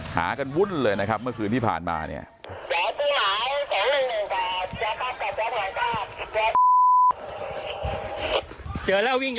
หากันวุ่นเลยนะครับเมื่อคืนที่ผ่านมาเนี่ย